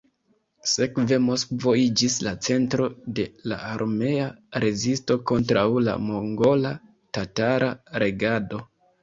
Sekve Moskvo iĝis la centro de la armea rezisto kontraŭ la mongola-tatara regado.